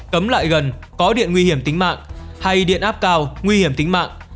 cấm lại gần có điện nguy hiểm tính mạng hay điện áp cao nguy hiểm tính mạng